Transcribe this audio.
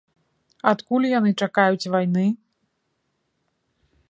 Адкуль яны чакаюць вайны?